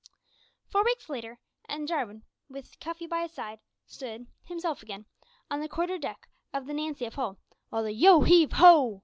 Four weeks later, and Jarwin, with Cuffy by his side, stood, "himself again," on the quarterdeck of the Nancy of Hull, while the "Yo, heave ho!"